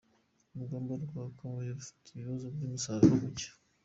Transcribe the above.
Uruganda rwa Kabuye rufite ikibazo cy’umusaruro muke.